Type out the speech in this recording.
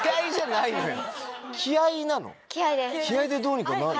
気合でどうにかなる？